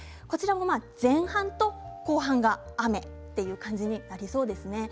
前半と後半が雨という感じになりそうですね。